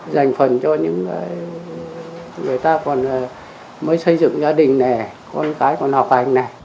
dành phần cho những người ta còn mới xây dựng gia đình này con cái còn học hành này